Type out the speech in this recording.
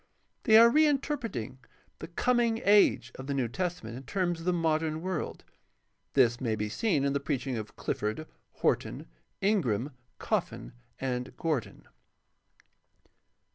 They are reinterpreting "the Coming Age" of the New Testament in terms of the modern world. This may be seen in the preach ing of Clifford, Horton, Ingram, Coffin, and Gordon.